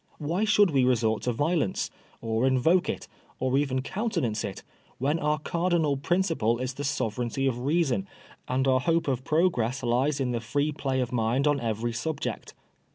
Why should we resort to violence, or invoke it, or even countenance it, when our cardinal principle is the sovereignty of reason, and our hope of progress lies in the free play of mind on every subject?